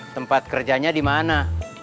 tempat kerjanya dimana